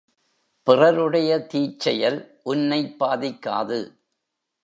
பிறருடைய தீச்செயல் உன்னைப் பாதிக்காது.